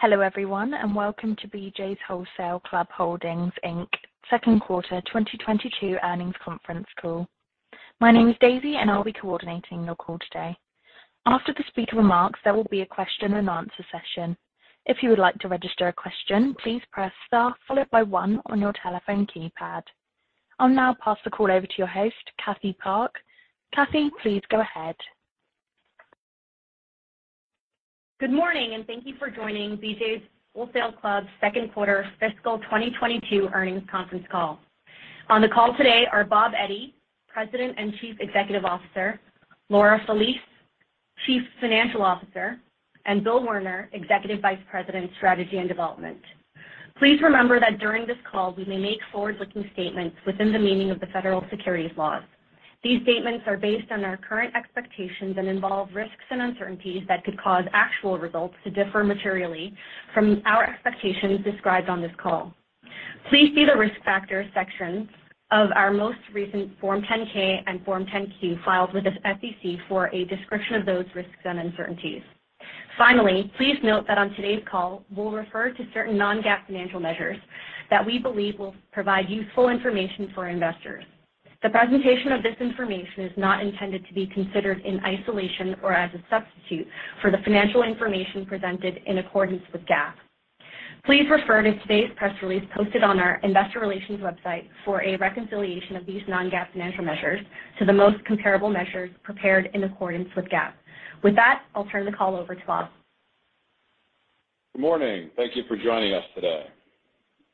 Hello, everyone, and welcome to BJ's Wholesale Club Holdings, Inc., second quarter 2022 earnings conference call. My name is Daisy, and I'll be coordinating your call today. After the speaker remarks, there will be a question and answer session. If you would like to register a question, please press Star followed by one on your telephone keypad. I'll now pass the call over to your host, Catherine Park. Cathy, please go ahead. Good morning, and thank you for joining BJ's Wholesale Club second quarter fiscal 2022 earnings conference call. On the call today are Bob Eddy, President and Chief Executive Officer, Laura Felice, Chief Financial Officer, and Bill Werner, Executive Vice President, Strategy and Development. Please remember that during this call, we may make forward-looking statements within the meaning of the Federal Securities laws. These statements are based on our current expectations and involve risks and uncertainties that could cause actual results to differ materially from our expectations described on this call. Please see the Risk Factors section of our most recent Form 10-K and Form 10-Q filed with the SEC for a description of those risks and uncertainties. Finally, please note that on today's call, we'll refer to certain non-GAAP financial measures that we believe will provide useful information for investors. The presentation of this information is not intended to be considered in isolation or as a substitute for the financial information presented in accordance with GAAP. Please refer to today's press release posted on our investor relations website for a reconciliation of these non-GAAP financial measures to the most comparable measures prepared in accordance with GAAP. With that, I'll turn the call over to Bob. Good morning. Thank you for joining us today.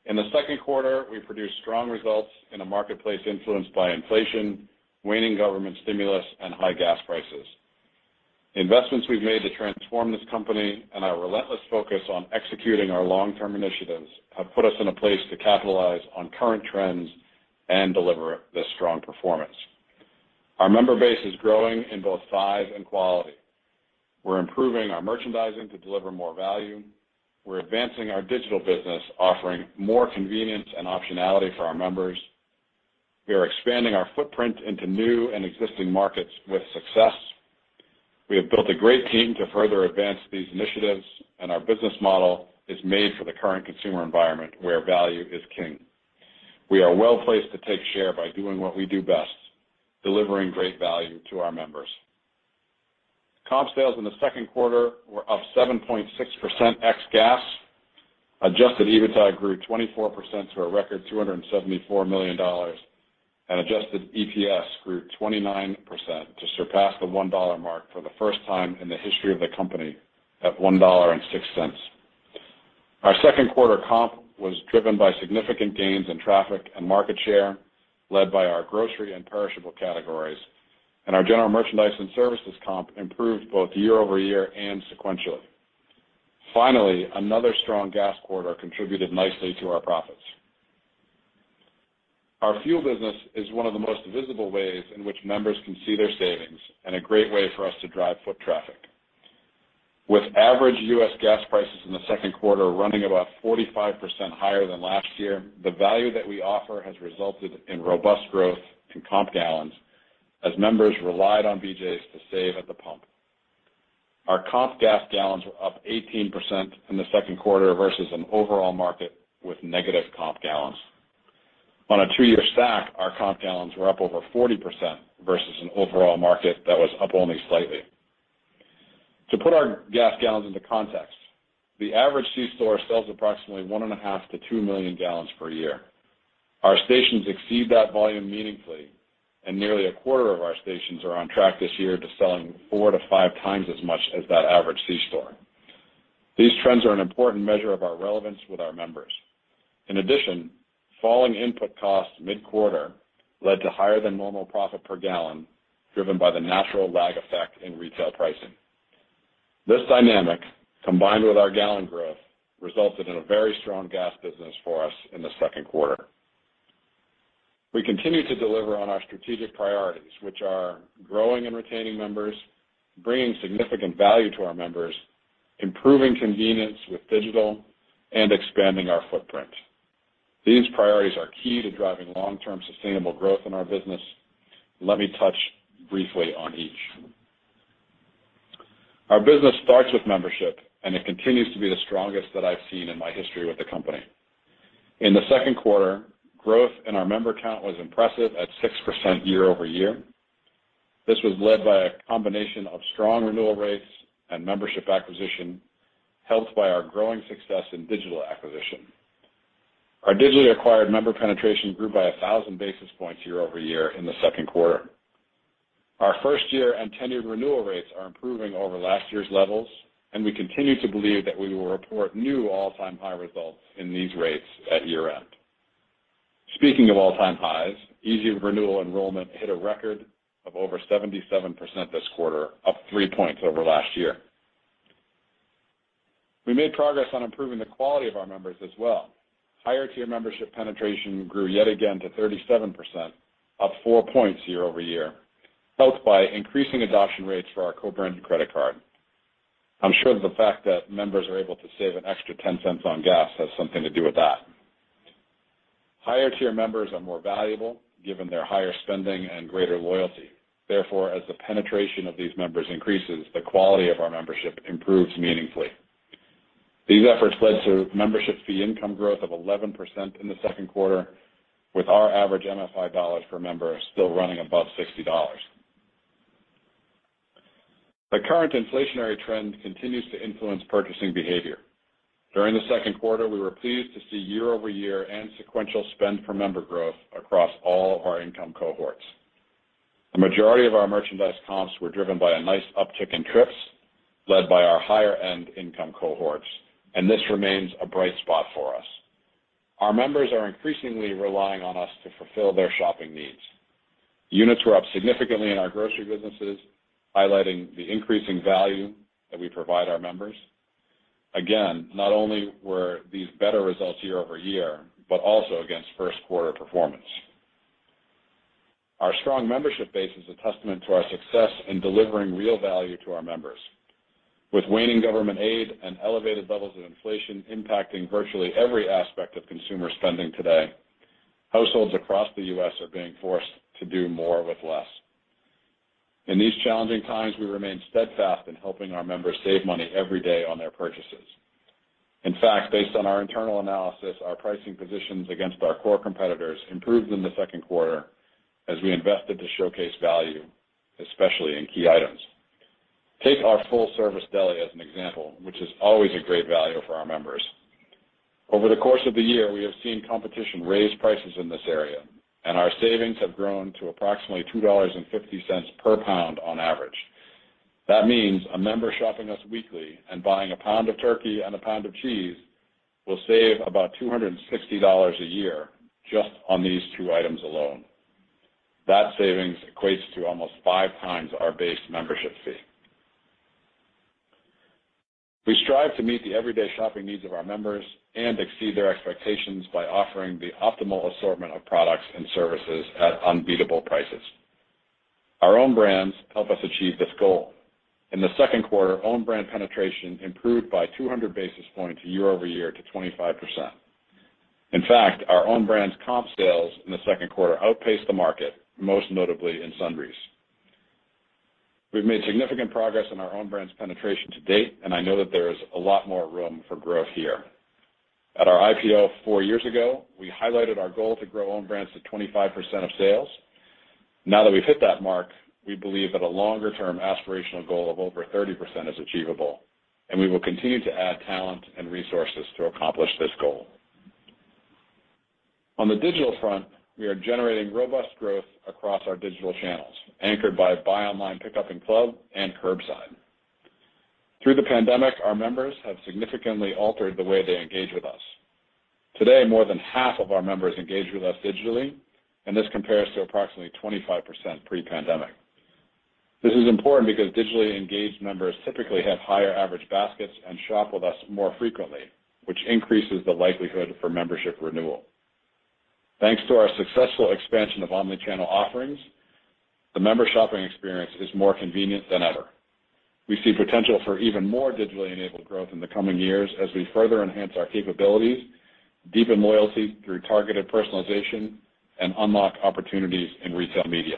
In the second quarter, we produced strong results in a marketplace influenced by inflation, waning government stimulus, and high gas prices. Investments we've made to transform this company and our relentless focus on executing our long-term initiatives have put us in a place to capitalize on current trends and deliver this strong performance. Our member base is growing in both size and quality. We're improving our merchandising to deliver more value. We're advancing our digital business, offering more convenience and optionality for our members. We are expanding our footprint into new and existing markets with success. We have built a great team to further advance these initiatives, and our business model is made for the current consumer environment where value is king. We are well-placed to take share by doing what we do best, delivering great value to our members. Comp sales in the second quarter were up 7.6% ex gas. Adjusted EBITDA grew 24% to a record $274 million, and adjusted EPS grew 29% to surpass the $1 mark for the first time in the history of the company at $1.06. Our second quarter comp was driven by significant gains in traffic and market share, led by our grocery and perishable categories, and our general merchandise and services comp improved both year-over-year and sequentially. Finally, another strong gas quarter contributed nicely to our profits. Our fuel business is one of the most visible ways in which members can see their savings and a great way for us to drive foot traffic. With average U.S. gas prices in the second quarter running about 45% higher than last year, the value that we offer has resulted in robust growth in comp gallons as members relied on BJ's to save at the pump. Our comp gas gallons were up 18% in the second quarter versus an overall market with negative comp gallons. On a two year stack, our comp gallons were up over 40% versus an overall market that was up only slightly. To put our gas gallons into context, the average C-store sells approximately 1.5-2 million gal per year. Our stations exceed that volume meaningfully, and nearly a quarter of our stations are on track this year to selling 4x-5x as much as that average C-store. These trends are an important measure of our relevance with our members. In addition, falling input costs mid-quarter led to higher than normal profit per gallon, driven by the natural lag effect in retail pricing. This dynamic, combined with our gallon growth, resulted in a very strong gas business for us in the second quarter. We continue to deliver on our strategic priorities, which are growing and retaining members, bringing significant value to our members, improving convenience with digital, and expanding our footprint. These priorities are key to driving long-term sustainable growth in our business. Let me touch briefly on each. Our business starts with membership, and it continues to be the strongest that I've seen in my history with the company. In the second quarter, growth in our member count was impressive at 6% year-over-year. This was led by a combination of strong renewal rates and membership acquisition, helped by our growing success in digital acquisition. Our digitally acquired member penetration grew by 1,000 basis points year-over-year in the second quarter. Our first year and 10 year renewal rates are improving over last year's levels, and we continue to believe that we will report new all-time high results in these rates at year-end. Speaking of all-time highs, Easy Renewal enrollment hit a record of over 77% this quarter, up 3 points over last year. We made progress on improving the quality of our members as well. Higher-tier membership penetration grew yet again to 37%, up 4 points year-over-year, helped by increasing adoption rates for our co-branded credit card. I'm sure the fact that members are able to save an extra $0.10 on gas has something to do with that. Higher-tier members are more valuable given their higher spending and greater loyalty. Therefore, as the penetration of these members increases, the quality of our membership improves meaningfully. These efforts led to membership fee income growth of 11% in the second quarter, with our average MFI dollars per member still running above $60. The current inflationary trend continues to influence purchasing behavior. During the second quarter, we were pleased to see year-over-year and sequential spend per member growth across all of our income cohorts. The majority of our merchandise comps were driven by a nice uptick in trips led by our higher-end income cohorts, and this remains a bright spot for us. Our members are increasingly relying on us to fulfill their shopping needs. Units were up significantly in our grocery businesses, highlighting the increasing value that we provide our members. Again, not only were these better results year-over-year, but also against first quarter performance. Our strong membership base is a testament to our success in delivering real value to our members. With waning government aid and elevated levels of inflation impacting virtually every aspect of consumer spending today, households across the U.S. are being forced to do more with less. In these challenging times, we remain steadfast in helping our members save money every day on their purchases. In fact, based on our internal analysis, our pricing positions against our core competitors improved in the second quarter as we invested to showcase value, especially in key items. Take our full-service deli as an example, which is always a great value for our members. Over the course of the year, we have seen competition raise prices in this area, and our savings have grown to approximately $2.50 per pound on average. That means a member shopping us weekly and buying a pound of turkey and a pound of cheese will save about $260 a year just on these two items alone. That savings equates to almost 5x our base membership fee. We strive to meet the everyday shopping needs of our members and exceed their expectations by offering the optimal assortment of products and services at unbeatable prices. Our own brands help us achieve this goal. In the second quarter, own brand penetration improved by 200 basis points year-over-year to 25%. In fact, our own brands comp sales in the second quarter outpaced the market, most notably in sundries. We've made significant progress in our own brands penetration to date, and I know that there is a lot more room for growth here. At our IPO four years ago, we highlighted our goal to grow own brands to 25% of sales. Now that we've hit that mark, we believe that a longer-term aspirational goal of over 30% is achievable, and we will continue to add talent and resources to accomplish this goal. On the digital front, we are generating robust growth across our digital channels, anchored by buy online pickup in club and curbside. Through the pandemic, our members have significantly altered the way they engage with us. Today, more than half of our members engage with us digitally, and this compares to approximately 25% pre-pandemic. This is important because digitally engaged members typically have higher average baskets and shop with us more frequently, which increases the likelihood for membership renewal. Thanks to our successful expansion of omni-channel offerings, the member shopping experience is more convenient than ever. We see potential for even more digitally enabled growth in the coming years as we further enhance our capabilities, deepen loyalty through targeted personalization, and unlock opportunities in retail media.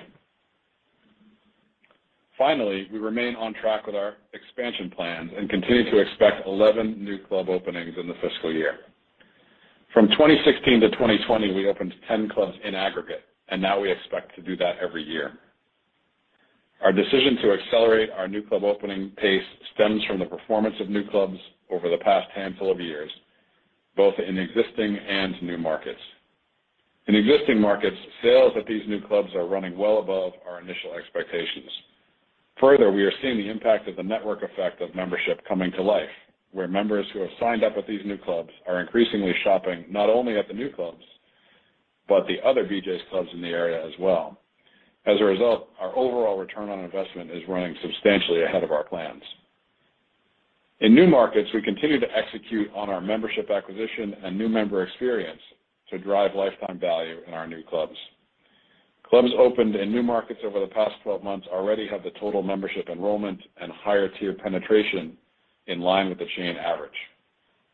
Finally, we remain on track with our expansion plans and continue to expect 11 new club openings in the fiscal year. From 2016 to 2020, we opened 10 clubs in aggregate, and now we expect to do that every year. Our decision to accelerate our new club opening pace stems from the performance of new clubs over the past handful of years, both in existing and new markets. In existing markets, sales at these new clubs are running well above our initial expectations. Further, we are seeing the impact of the network effect of membership coming to life, where members who have signed up with these new clubs are increasingly shopping not only at the new clubs, but the other BJ's Clubs in the area as well. As a result, our overall return on investment is running substantially ahead of our plans. In new markets, we continue to execute on our membership acquisition and new member experience to drive lifetime value in our new clubs. Clubs opened in new markets over the past 12 months already have the total membership enrollment and higher tier penetration in line with the chain average.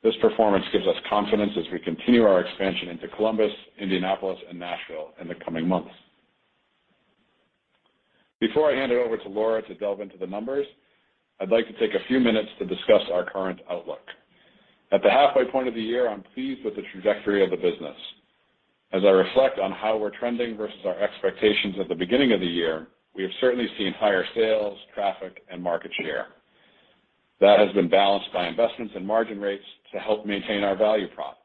This performance gives us confidence as we continue our expansion into Columbus, Indianapolis, and Nashville in the coming months. Before I hand it over to Laura to delve into the numbers, I'd like to take a few minutes to discuss our current outlook. At the halfway point of the year, I'm pleased with the trajectory of the business. As I reflect on how we're trending versus our expectations at the beginning of the year, we have certainly seen higher sales, traffic, and market share. That has been balanced by investments in margin rates to help maintain our value prop.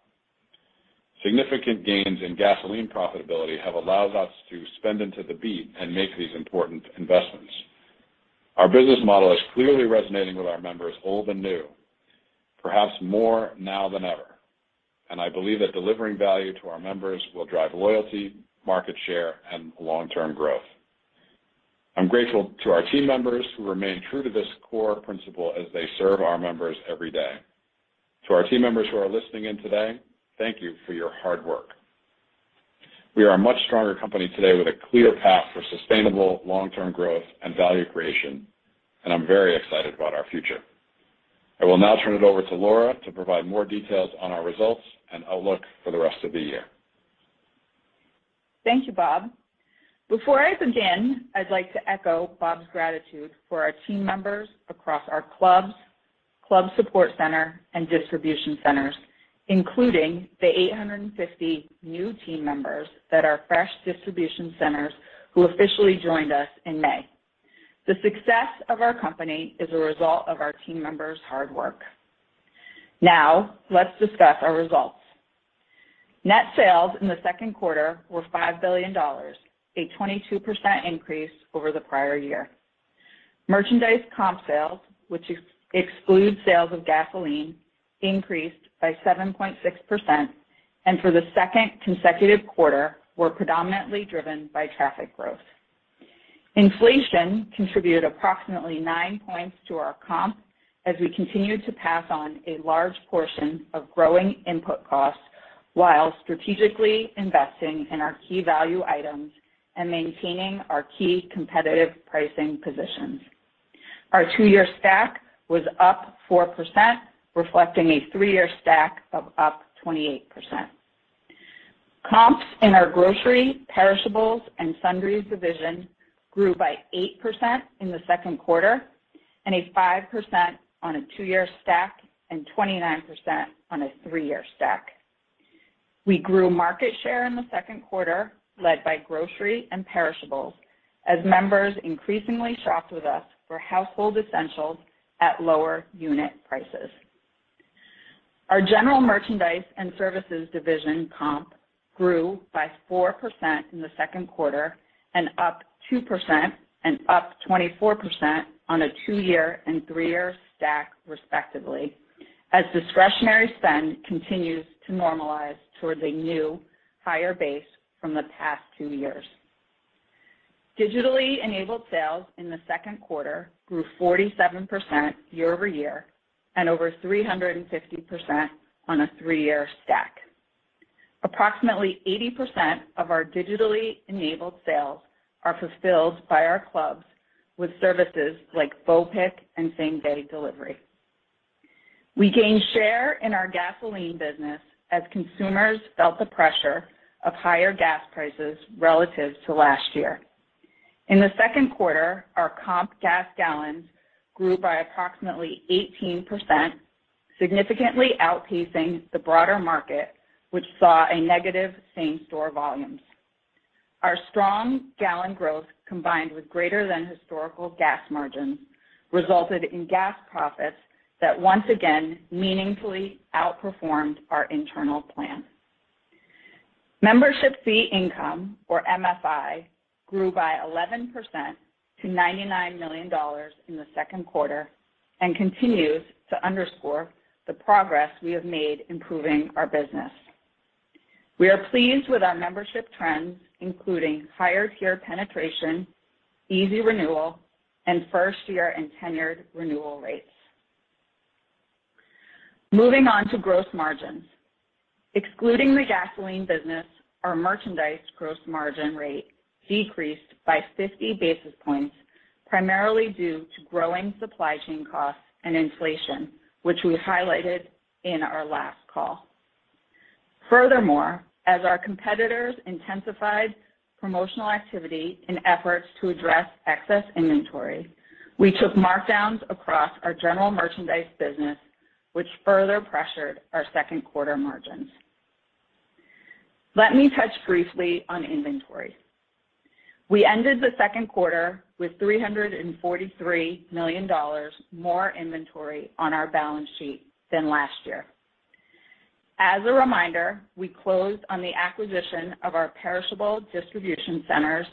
Significant gains in gasoline profitability have allowed us to spend into the beat and make these important investments. Our business model is clearly resonating with our members, old and new, perhaps more now than ever, and I believe that delivering value to our members will drive loyalty, market share, and long-term growth. I'm grateful to our team members who remain true to this core principle as they serve our members every day. To our team members who are listening in today, thank you for your hard work. We are a much stronger company today with a clear path for sustainable long-term growth and value creation, and I'm very excited about our future. I will now turn it over to Laura to provide more details on our results and outlook for the rest of the year. Thank you, Bob. Before I begin, I'd like to echo Bob's gratitude for our team members across our clubs, club support center, and distribution centers, including the 850 new team members at our fresh distribution centers who officially joined us in May. The success of our company is a result of our team members' hard work. Now let's discuss our results. Net sales in the second quarter were $5 billion, a 22% increase over the prior year. Merchandise comp sales, which excludes sales of gasoline, increased by 7.6% and for the second consecutive quarter, were predominantly driven by traffic growth. Inflation contributed approximately 9 points to our comp as we continued to pass on a large portion of growing input costs while strategically investing in our key value items and maintaining our key competitive pricing positions. Our two year stack was up 4%, reflecting a three-year stack of up 28%. Comps in our grocery, perishables, and sundries division grew by 8% in the second quarter and 5% on a two-year stack and 29% on a three-year stack. We grew market share in the second quarter, led by grocery and perishables as members increasingly shopped with us for household essentials at lower unit prices. Our general merchandise and services division comp grew by 4% in the second quarter and up 2% and up 24% on a two-year and three-year stack, respectively, as discretionary spend continues to normalize towards a new higher base from the past two years. Digitally enabled sales in the second quarter grew 47% year-over-year and over 350% on a three-year stack. Approximately 80% of our digitally enabled sales are fulfilled by our clubs with services like BOPIC and same-day delivery. We gained share in our gasoline business as consumers felt the pressure of higher gas prices relative to last year. In the second quarter, our comp gas gallons grew by approximately 18%, significantly outpacing the broader market, which saw a negative same-store volumes. Our strong gallon growth, combined with greater than historical gas margins, resulted in gas profits that once again meaningfully outperformed our internal plan. Membership fee income, or MFI, grew by 11% to $99 million in the second quarter and continues to underscore the progress we have made improving our business. We are pleased with our membership trends, including higher tier penetration, easy renewal, and first-year and tenured renewal rates. Moving on to gross margins. Excluding the gasoline business, our merchandise gross margin rate decreased by 50 basis points, primarily due to growing supply chain costs and inflation, which we highlighted in our last call. Furthermore, as our competitors intensified promotional activity in efforts to address excess inventory, we took markdowns across our general merchandise business, which further pressured our second quarter margins. Let me touch briefly on inventory. We ended the second quarter with $343 million more inventory on our balance sheet than last year. As a reminder, we closed on the acquisition of our perishable distribution centers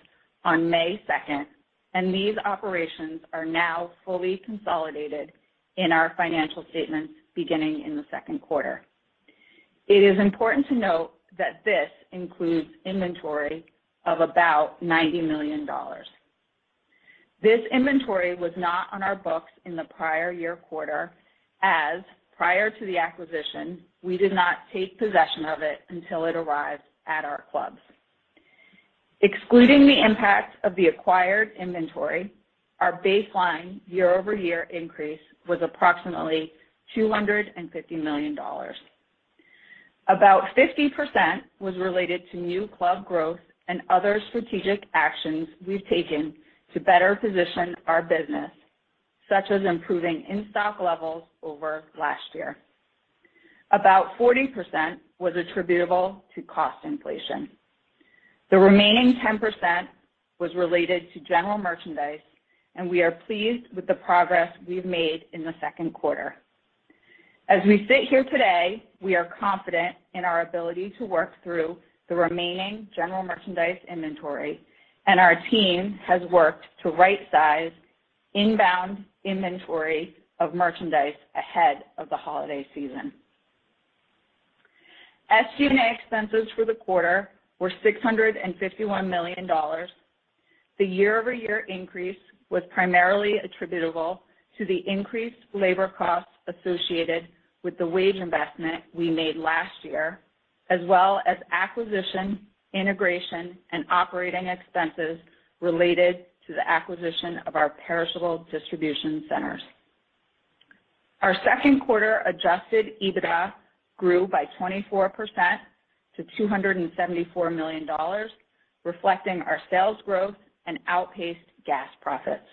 on May 2, and these operations are now fully consolidated in our financial statements beginning in the second quarter. It is important to note that this includes inventory of about $90 million. This inventory was not on our books in the prior year quarter, as prior to the acquisition, we did not take possession of it until it arrived at our clubs. Excluding the impact of the acquired inventory, our baseline year-over-year increase was approximately $250 million. About 50% was related to new club growth and other strategic actions we've taken to better position our business, such as improving in-stock levels over last year. About 40% was attributable to cost inflation. The remaining 10% was related to general merchandise, and we are pleased with the progress we've made in the second quarter. As we sit here today, we are confident in our ability to work through the remaining general merchandise inventory, and our team has worked to right size inbound inventory of merchandise ahead of the holiday season. SG&A expenses for the quarter were $651 million. The year-over-year increase was primarily attributable to the increased labor costs associated with the wage investment we made last year, as well as acquisition, integration, and operating expenses related to the acquisition of our perishable distribution centers. Our second quarter adjusted EBITDA grew by 24% to $274 million, reflecting our sales growth and outpacing gas profits.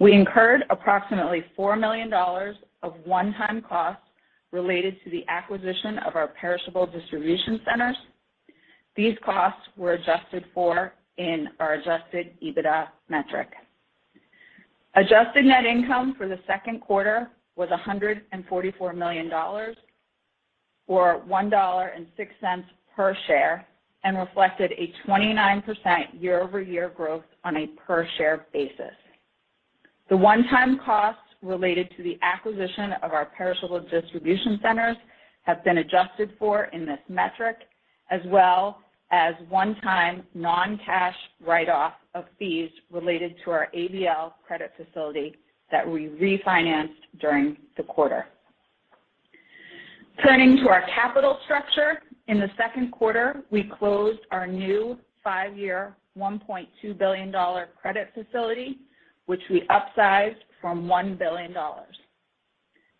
We incurred approximately $4 million of one-time costs related to the acquisition of our perishable distribution centers. These costs were adjusted for in our adjusted EBITDA metric. Adjusted net income for the second quarter was $144 million, or $1.06 per share, and reflected a 29% year-over-year growth on a per-share basis. The one-time costs related to the acquisition of our perishable distribution centers have been adjusted for in this metric, as well as one-time non-cash write-off of fees related to our ABL credit facility that we refinanced during the quarter. Turning to our capital structure, in the second quarter, we closed our new five year, $1.2 billion credit facility, which we upsized from $1 billion.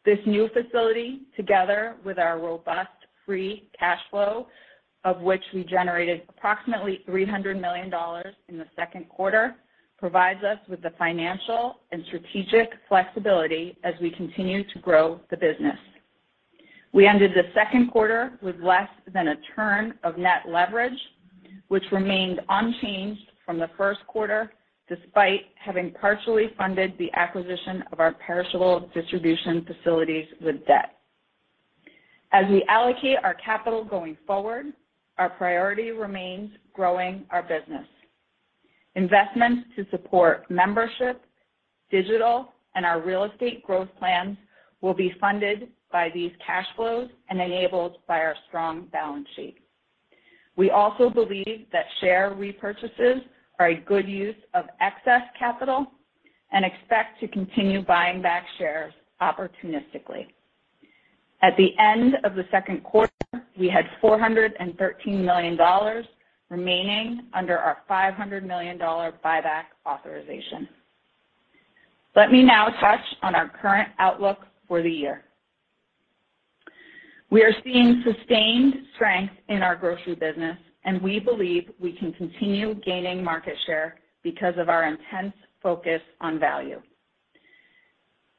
This new facility, together with our robust free cash flow, of which we generated approximately $300 million in the second quarter, provides us with the financial and strategic flexibility as we continue to grow the business. We ended the second quarter with less than a turn of net leverage, which remained unchanged from the first quarter, despite having partially funded the acquisition of our perishable distribution facilities with debt. As we allocate our capital going forward, our priority remains growing our business. Investments to support membership, digital, and our real estate growth plans will be funded by these cash flows and enabled by our strong balance sheet. We also believe that share repurchases are a good use of excess capital and expect to continue buying back shares opportunistically. At the end of the second quarter, we had $413 million remaining under our $500 million buyback authorization. Let me now touch on our current outlook for the year. We are seeing sustained strength in our grocery business, and we believe we can continue gaining market share because of our intense focus on value.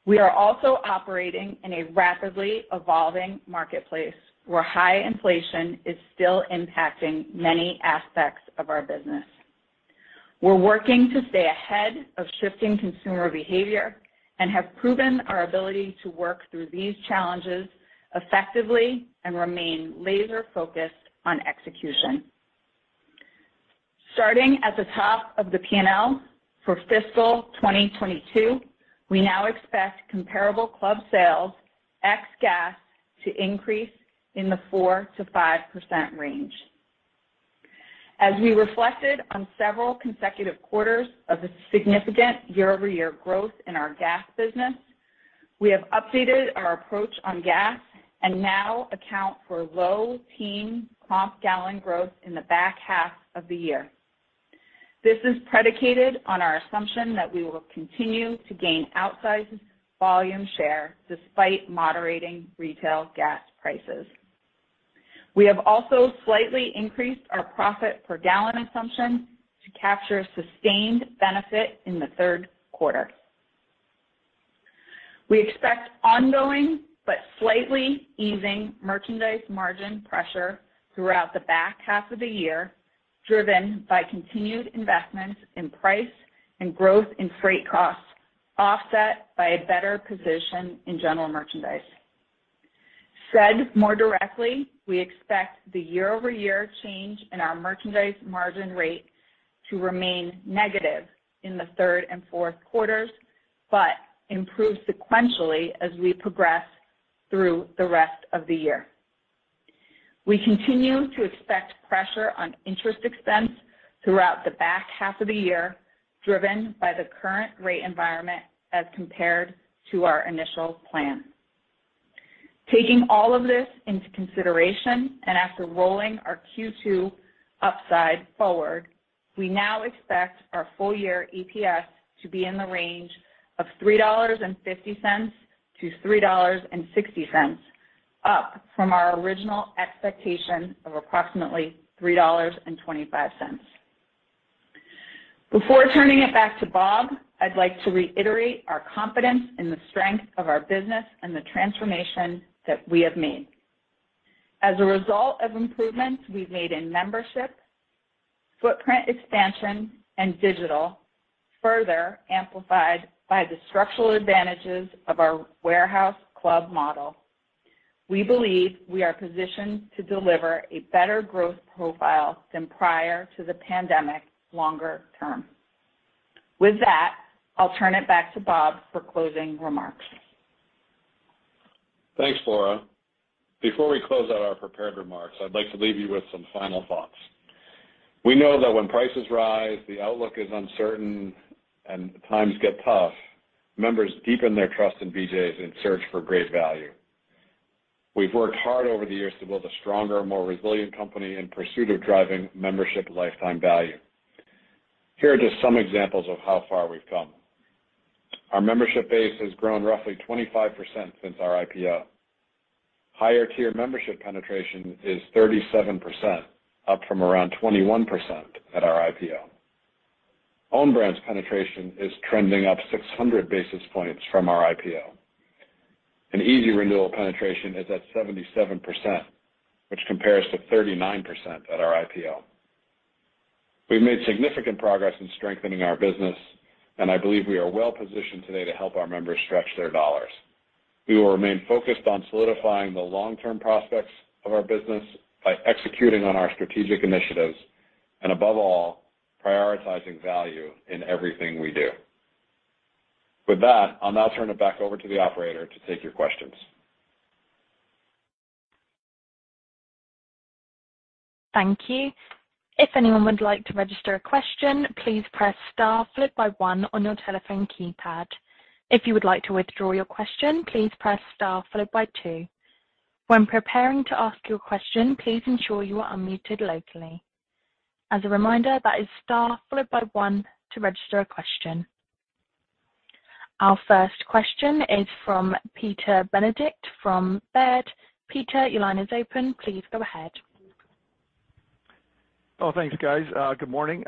We are also operating in a rapidly evolving marketplace, where high inflation is still impacting many aspects of our business. We're working to stay ahead of shifting consumer behavior and have proven our ability to work through these challenges effectively and remain laser-focused on execution. Starting at the top of the P&L for fiscal 2022, we now expect comparable club sales ex gas to increase in the 4%-5% range. As we reflected on several consecutive quarters of a significant year-over-year growth in our gas business, we have updated our approach on gas and now account for low-teen comp gallon growth in the back half of the year. This is predicated on our assumption that we will continue to gain outsized volume share despite moderating retail gas prices. We have also slightly increased our profit per gallon assumption to capture sustained benefit in the third quarter. We expect ongoing but slightly easing merchandise margin pressure throughout the back half of the year, driven by continued investments in price and growth in freight costs, offset by a better position in general merchandise. Said more directly, we expect the year-over-year change in our merchandise margin rate to remain negative in the third and fourth quarters, but improve sequentially as we progress through the rest of the year. We continue to expect pressure on interest expense throughout the back half of the year, driven by the current rate environment as compared to our initial plan. Taking all of this into consideration and after rolling our Q2 upside forward, we now expect our full year EPS to be in the range of $3.50-$3.60, up from our original expectation of approximately $3.25. Before turning it back to Bob, I'd like to reiterate our confidence in the strength of our business and the transformation that we have made. As a result of improvements we've made in membership, footprint expansion, and digital, further amplified by the structural advantages of our warehouse club model, we believe we are positioned to deliver a better growth profile than prior to the pandemic longer term. With that, I'll turn it back to Bob for closing remarks. Thanks, Laura. Before we close out our prepared remarks, I'd like to leave you with some final thoughts. We know that when prices rise, the outlook is uncertain, and times get tough, members deepen their trust in BJ's in search for great value. We've worked hard over the years to build a stronger, more resilient company in pursuit of driving membership lifetime value. Here are just some examples of how far we've come. Our membership base has grown roughly 25% since our IPO. Higher tier membership penetration is 37%, up from around 21% at our IPO. Own brands penetration is trending up 600 basis points from our IPO. An easy renewal penetration is at 77%, which compares to 39% at our IPO. We've made significant progress in strengthening our business, and I believe we are well-positioned today to help our members stretch their dollars. We will remain focused on solidifying the long-term prospects of our business by executing on our strategic initiatives and above all, prioritizing value in everything we do. With that, I'll now turn it back over to the operator to take your questions. Thank you. If anyone would like to register a question, please press star followed by one on your telephone keypad. If you would like to withdraw your question, please press star followed by two. When preparing to ask your question, please ensure you are unmuted locally. As a reminder, that is star followed by one to register a question. Our first question is from Peter Benedict from Baird. Peter, your line is open. Please go ahead. Oh, thanks, guys. Good morning.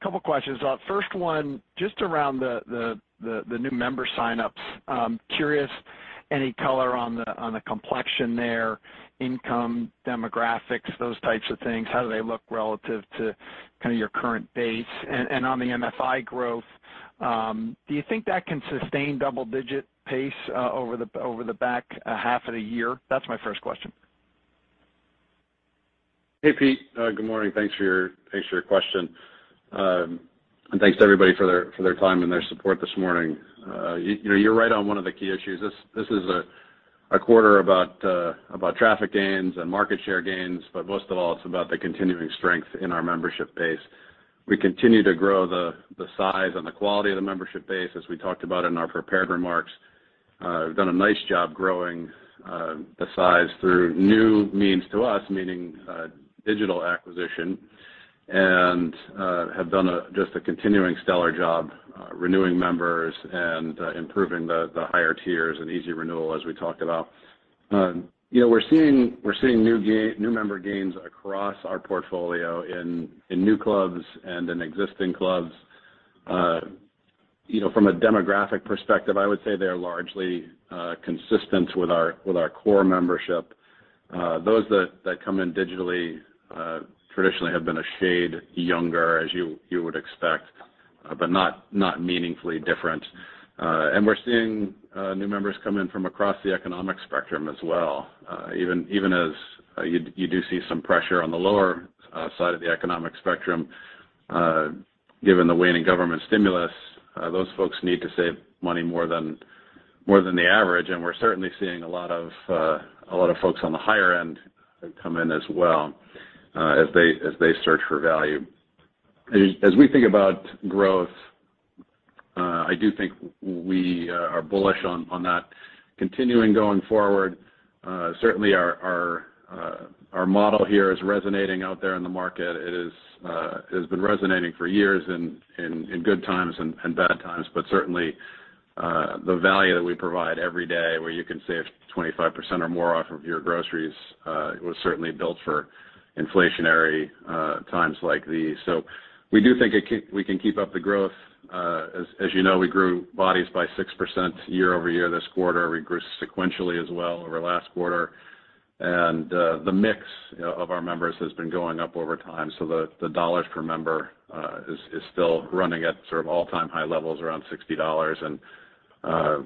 Couple questions. First one, just around the new member sign-ups. Curious, any color on the complexion there, income, demographics, those types of things, how do they look relative to kinda your current base? And on the MFI growth, do you think that can sustain double-digit pace over the back half of the year? That's my first question. Hey, Peter. Good morning. Thanks for your question. Thanks to everybody for their time and their support this morning. You know, you're right on one of the key issues. This is a quarter about traffic gains and market share gains, but most of all, it's about the continuing strength in our membership base. We continue to grow the size and the quality of the membership base. As we talked about in our prepared remarks, we've done a nice job growing the size through new means to us, meaning digital acquisition, and have done just a continuing stellar job renewing members and improving the higher tiers and easy renewal as we talked about. You know, we're seeing new member gains across our portfolio in new clubs and in existing clubs. You know, from a demographic perspective, I would say they're largely consistent with our core membership. Those that come in digitally traditionally have been a shade younger as you would expect, but not meaningfully different. We're seeing new members come in from across the economic spectrum as well. Even as you do see some pressure on the lower side of the economic spectrum given the waning government stimulus, those folks need to save money more than the average. We're certainly seeing a lot of folks on the higher end come in as well, as they search for value. As we think about growth, I do think we are bullish on that continuing going forward. Certainly our model here is resonating out there in the market. It has been resonating for years in good times and bad times. Certainly the value that we provide every day, where you can save 25% or more off of your groceries, was certainly built for inflationary times like these. We do think we can keep up the growth. As you know, we grew bodies by 6% year-over-year this quarter. We grew sequentially as well over last quarter. The mix of our members has been going up over time. The dollars per member is still running at sort of all-time high levels around $60.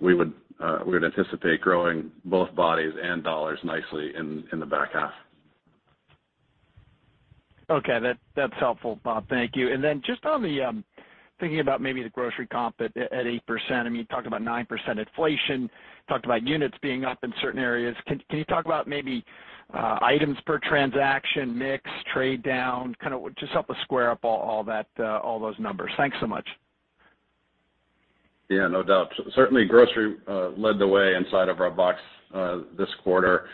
We would anticipate growing both bodies and dollars nicely in the back half. Okay. That's helpful, Bob. Thank you. Then just on the thinking about maybe the grocery comp at 8%, I mean, you talked about 9% inflation, talked about units being up in certain areas. Can you talk about maybe items per transaction, mix, trade down, kind of just help us square up all that, those numbers? Thanks so much. Yeah, no doubt. Certainly, grocery led the way inside of our box this quarter,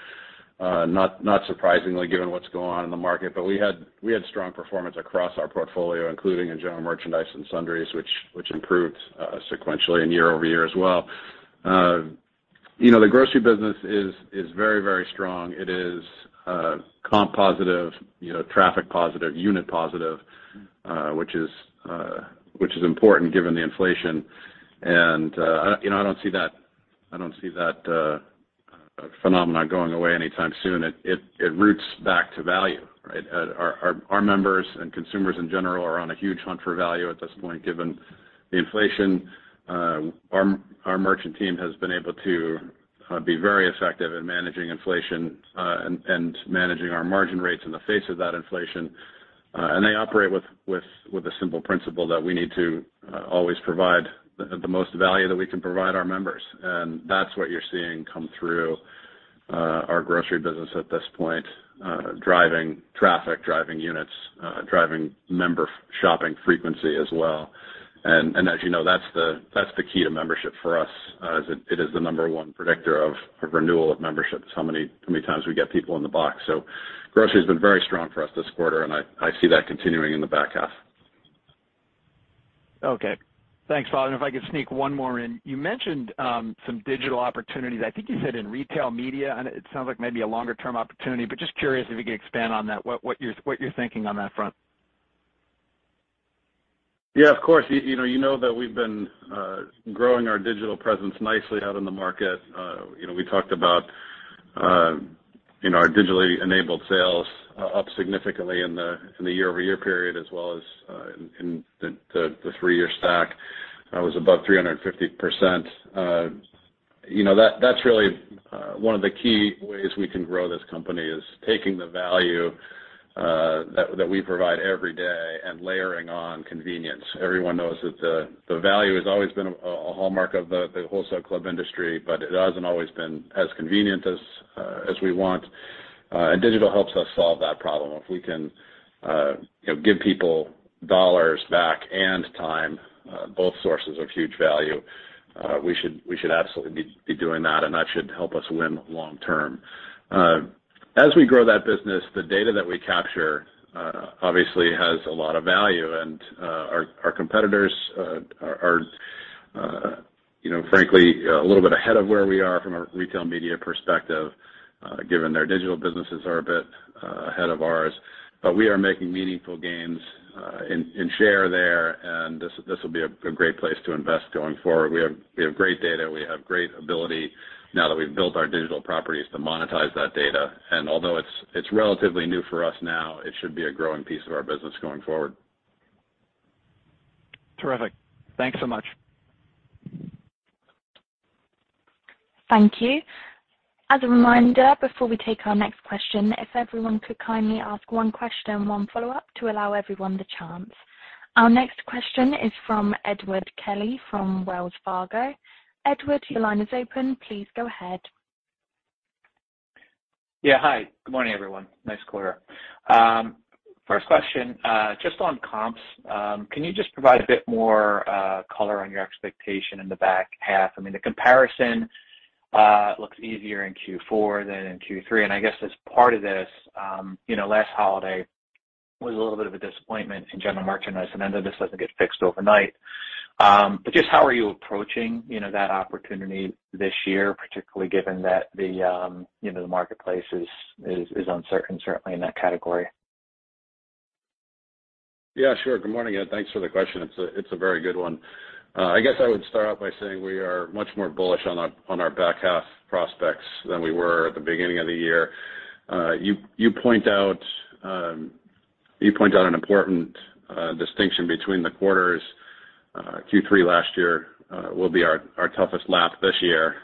not surprisingly given what's going on in the market. We had strong performance across our portfolio, including in general merchandise and sundries, which improved sequentially and year-over-year as well. You know, the grocery business is very strong. It is comp positive, you know, traffic positive, unit positive, which is important given the inflation. You know, I don't see that phenomenon going away anytime soon. It roots back to value, right? Our members and consumers in general are on a huge hunt for value at this point, given the inflation. Our merchant team has been able to be very effective in managing inflation and managing our margin rates in the face of that inflation. They operate with a simple principle that we need to always provide the most value that we can provide our members. That's what you're seeing come through. Our grocery business at this point driving traffic, driving units, driving members' shopping frequency as well. As you know, that's the key to membership for us, as it is the number one predictor of renewal of memberships. How many times we get people in the box. Grocery's been very strong for us this quarter, and I see that continuing in the back half. Okay. Thanks, Bob. If I could sneak one more in. You mentioned some digital opportunities, I think you said in retail media, and it sounds like maybe a longer-term opportunity, but just curious if you could expand on that, what you're thinking on that front. Yeah, of course. You know that we've been growing our digital presence nicely out in the market. You know, we talked about, you know, our digitally enabled sales up significantly in the year-over-year period as well as in the three-year stack. That was above 350%. You know, that's really one of the key ways we can grow this company, is taking the value that we provide every day and layering on convenience. Everyone knows that the value has always been a hallmark of the wholesale club industry, but it hasn't always been as convenient as we want. Digital helps us solve that problem. If we can, you know, give people dollars back and time, both sources of huge value, we should absolutely be doing that, and that should help us win long term. As we grow that business, the data that we capture obviously has a lot of value, and our competitors are, you know, frankly a little bit ahead of where we are from a retail media perspective, given their digital businesses are a bit ahead of ours. We are making meaningful gains in share there, and this will be a great place to invest going forward. We have great data, we have great ability now that we've built our digital properties to monetize that data. Although it's relatively new for us now, it should be a growing piece of our business going forward. Terrific. Thanks so much. Thank you. As a reminder, before we take our next question, if everyone could kindly ask one question, one follow-up to allow everyone the chance. Our next question is from Edward Kelly from Wells Fargo. Edward, your line is open. Please go ahead. Yeah. Hi, good morning, everyone. Nice quarter. First question, just on comps. Can you just provide a bit more color on your expectation in the back half? I mean, the comparison looks easier in Q4 than in Q3, and I guess as part of this, you know, last holiday was a little bit of a disappointment in general merchandise. I know this doesn't get fixed overnight, but just how are you approaching, you know, that opportunity this year, particularly given that the, you know, the marketplace is uncertain certainly in that category? Yeah, sure. Good morning, Edward. Thanks for the question. It's a very good one. I guess I would start out by saying we are much more bullish on our back half prospects than we were at the beginning of the year. You point out an important distinction between the quarters. Q3 last year will be our toughest lap this year.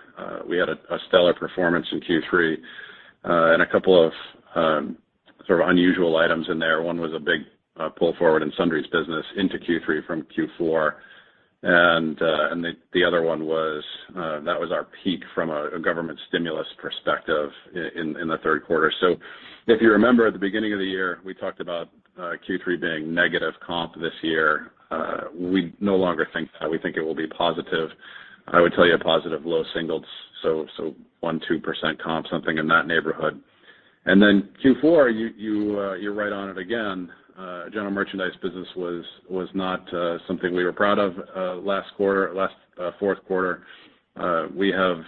We had a stellar performance in Q3 and a couple of sort of unusual items in there. One was a big pull forward in sundries business into Q3 from Q4. The other one was our peak from a government stimulus perspective in the third quarter. If you remember at the beginning of the year, we talked about Q3 being negative comp this year. We no longer think that. We think it will be positive. I would tell you a positive low singles, 1%-2% comp, something in that neighborhood. Q4, you're right on it again. General merchandise business was not something we were proud of last fourth quarter. We have,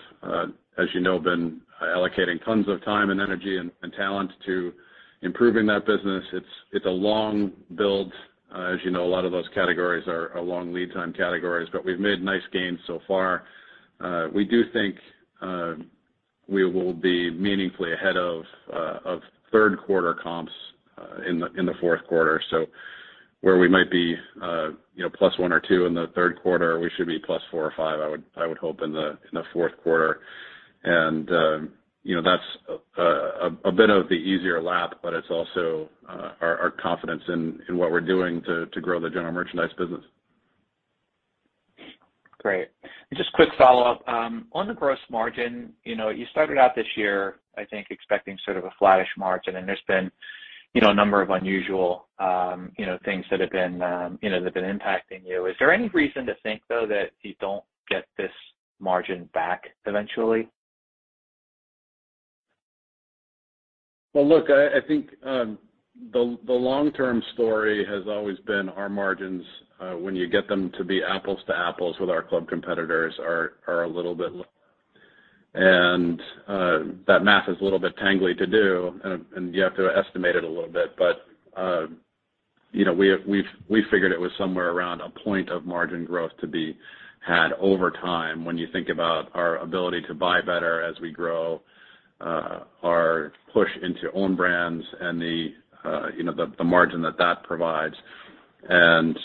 as you know, been allocating tons of time and energy and talent to improving that business. It's a long build. As you know, a lot of those categories are long lead time categories, but we've made nice gains so far. We do think we will be meaningfully ahead of third quarter comps in the fourth quarter. Where we might be, you know, plus one or two in the third quarter, we should be plus four or five, I would hope in the fourth quarter. You know, that's a bit of the easier lap, but it's also our confidence in what we're doing to grow the general merchandise business. Great. Just quick follow-up. On the gross margin, you know, you started out this year, I think, expecting sort of a flattish margin and there's been, you know, a number of unusual, you know, things that have been impacting you. Is there any reason to think, though, that you don't get this margin back eventually? Well, look, I think the long-term story has always been our margins, when you get them to be apples to apples with our club competitors, are a little bit lower. That math is a little bit tangled to do and you have to estimate it a little bit. You know, we figured it was somewhere around a point of margin growth to be had over time when you think about our ability to buy better as we grow, our push into own brands and the margin that that provides and,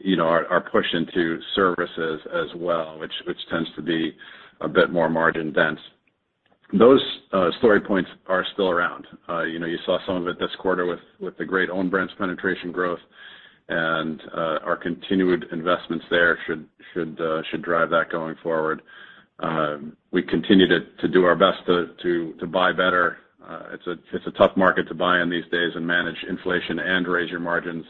you know, our push into services as well, which tends to be a bit more margin dense. Those story points. You know, you saw some of it this quarter with the great own brands penetration growth and our continued investments there should drive that going forward. We continue to do our best to buy better. It's a tough market to buy in these days and manage inflation and raise your margins.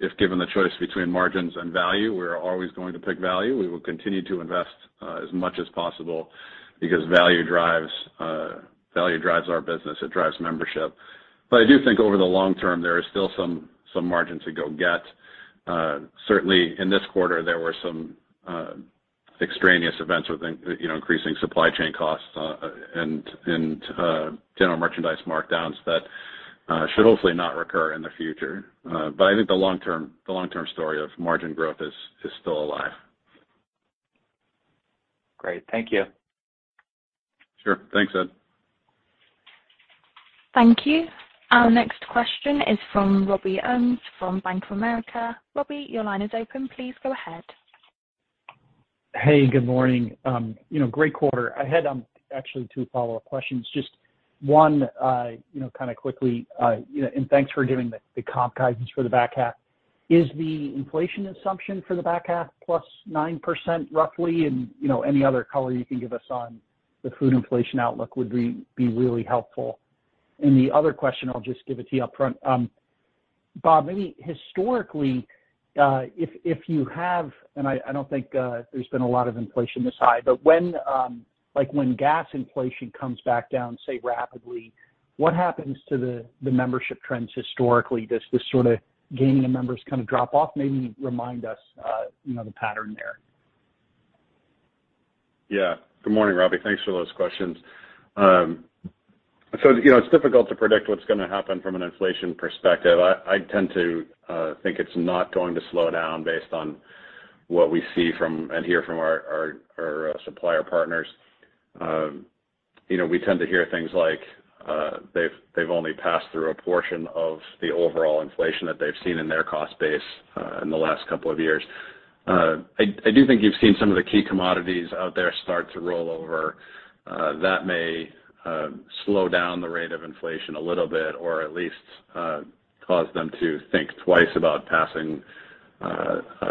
If given the choice between margins and value, we're always going to pick value. We will continue to invest as much as possible because value drives our business. It drives membership. I do think over the long term, there is still some margin to go get. Certainly in this quarter, there were some extraneous events, you know, increasing supply chain costs, and general merchandise markdowns that should hopefully not recur in the future. I think the long term, the long-term story of margin growth is still alive. Great. Thank you. Sure. Thanks, Ed. Thank you. Our next question is from Robert Ohmes from Bank of America. Robbie, your line is open. Please go ahead. Hey, good morning. You know, great quarter. I had, actually two follow-up questions. Just one, you know, kind of quickly, you know, and thanks for giving the comp guidance for the back half. Is the inflation assumption for the back half plus 9% roughly? You know, any other color you can give us on the food inflation outlook would be really helpful. The other question, I'll just give it to you upfront. Bob, maybe historically, and I don't think there's been a lot of inflation this high. But when, like, when gas inflation comes back down, say, rapidly, what happens to the membership trends historically? Does this sort of gaining of members kind of drop off? Maybe remind us, you know, the pattern there. Yeah. Good morning, Robbie. Thanks for those questions. You know, it's difficult to predict what's gonna happen from an inflation perspective. I tend to think it's not going to slow down based on what we see from and hear from our supplier partners. You know, we tend to hear things like, they've only passed through a portion of the overall inflation that they've seen in their cost base in the last couple of years. I do think you've seen some of the key commodities out there start to roll over. That may slow down the rate of inflation a little bit, or at least cause them to think twice about passing